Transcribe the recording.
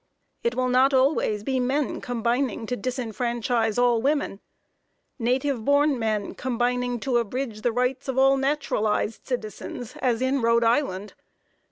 It will not always be men combining to disfranchise all women; native born men combining to abridge the rights of all naturalized citizens, as in Rhode Island.